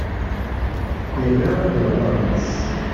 Ira ad iɣer aɣmis.